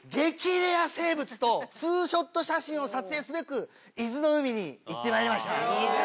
レア生物とツーショット写真を撮影すべく伊豆の海に行ってまいりました。